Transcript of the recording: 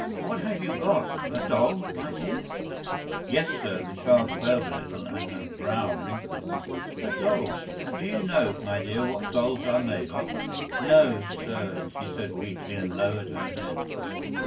"What have you got, a doll, my dear?" "Yes, sir." The child quailed a little, and her brow wrinkled. "A doll? And do you know, my dear, what dolls are made of?" "No, sir," she said weakly, and lowered her head.